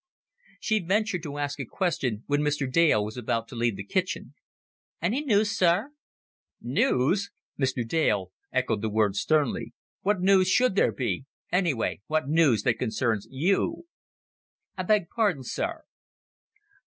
She ventured to ask a question when Mr. Dale was about to leave the kitchen. "Any news, sir?" "News!" Mr. Dale echoed the word sternly. "What news should there be anyway, what news that concerns you? "I beg pardon, sir."